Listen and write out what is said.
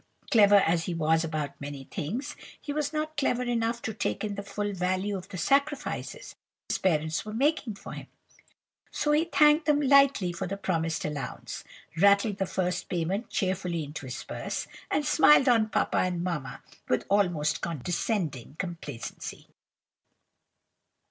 Clever as he was about many things, he was not clever enough to take in the full value of the sacrifices his parents were making for him; so he thanked them lightly for the promised allowance, rattled the first payment cheerfully into his purse, and smiled on papa and mamma with almost condescending complacency.